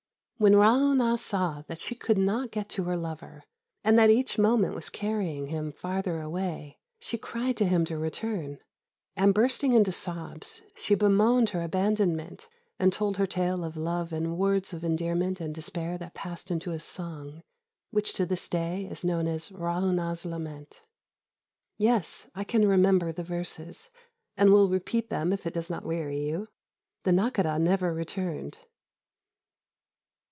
"When Ra'ûnah saw that she could not get to her lover, and that each moment was carrying him farther away, she cried to him to return, and bursting into sobs, she bemoaned her abandonment, and told her tale of love in words of endearment and despair that passed into a song, which to this day is known as Ra'ûnah's Lament. "Yes, I can remember the verses, and will repeat them if it does not weary you. The Nakhôdah never returned.